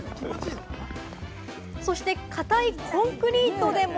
そして固いコンクリートでも。